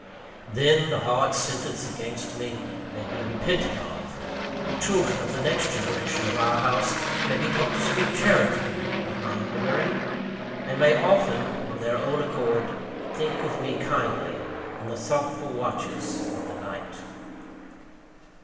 Then, the hard sentence against me may be repented of; the children of the next generation of our house may be taught to speak charitably of my memory, and may often, of their own accord, think of me kindly in the thoughtful watches of the night.